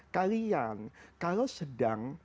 kalian kalau sedang